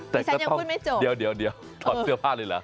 แต่ฉันยังคุยไม่จบเดี๋ยวถอดเสื้อผ้าเลยเหรอ